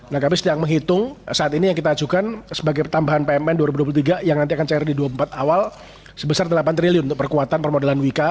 nah kami sedang menghitung saat ini yang kita ajukan sebagai pertambahan pmn dua ribu dua puluh tiga yang nanti akan cair di dua puluh empat awal sebesar delapan triliun untuk perkuatan permodalan wika